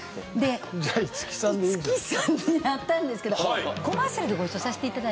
で五木さんに会ったんですけどコマーシャルでご一緒させて頂いて。